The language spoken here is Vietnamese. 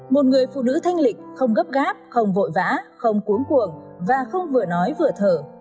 một người phụ nữ thanh lịch không gấp gáp không vội vã không cuốn cuồng và không vừa nói vừa thở